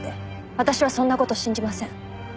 私はそんな事信じません。